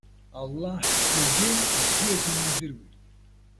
Аллаҳ зегьы ибзиаӡаны идыруеит.